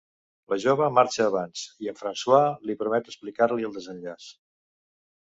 La jove marxa abans, i en François li promet explicar-li el desenllaç.